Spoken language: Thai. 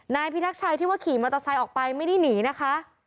นายพิทักษ์ชัยที่ว่าขี่มอเตอร์ไซค์ออกไปไม่ได้หนีนะคะ